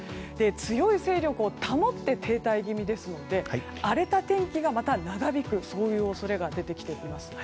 強い勢力を保って停滞気味ですので荒れた天気がまた長引く恐れが出てきています。